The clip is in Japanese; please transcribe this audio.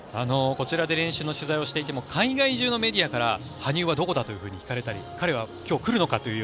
こちらで練習の取材をしていても海外中のメディアから羽生はどこだと聞かれたり彼は今日来るのかと。